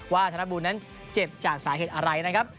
ธนบุญนั้นเจ็บจากสาเหตุอะไรนะครับ